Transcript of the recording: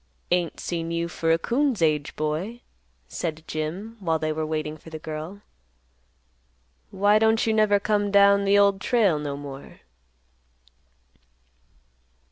"Ain't seen you for a coon's age, boy," said Jim, while they were waiting for the girl. "Why don't you never come down the Old Trail no more?"